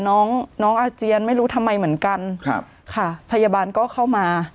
น้องน้องอาเจียนไม่รู้ทำไมเหมือนกันครับค่ะพยาบาลก็เข้ามา